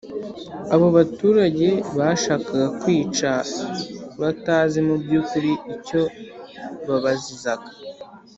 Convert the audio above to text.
abo baturage bashakaga kwica batazi mu by ukuri icyo babazizaga